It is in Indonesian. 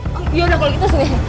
yaudah kalau gitu sih